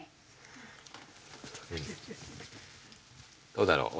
どうだろう？